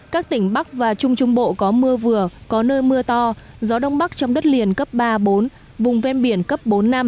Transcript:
các tỉnh bắc và trung trung bộ có mưa vừa có nơi mưa to gió đông bắc trong đất liền cấp ba bốn vùng ven biển cấp bốn năm